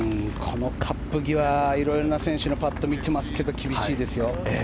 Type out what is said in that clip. このカップ際色々な選手のパットを見てますけど厳しいですよ。